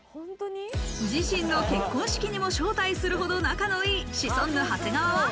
自身の結婚式にも招待するほど仲のいい、シソンヌ・長谷川は。